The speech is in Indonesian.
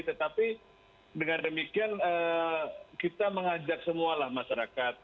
tetapi dengan demikian kita mengajak semualah masyarakat